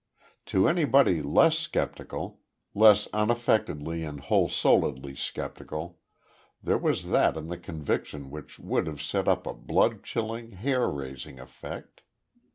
To anybody less sceptical less unaffectedly and wholesouledly sceptical there was that in the conviction which would have set up a blood chilling, hair raising effect.